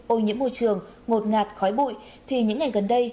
ô nhiễm môi trường ngột ngạt khói bụi thì những ngày gần đây